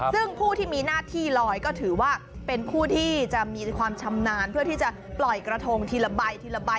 ซึ่งผู้ที่มีหน้าที่ลอยก็ถือว่าเป็นผู้ที่จะมีความชำนาญเพื่อที่จะปล่อยกระทงทีละใบทีละใบ